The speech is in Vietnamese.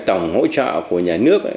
tổng hỗ trợ của nhà nước